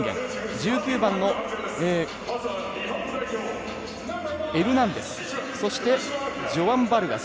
１９番のエルナンデス。